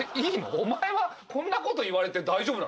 お前はこんなこと言われて大丈夫なの？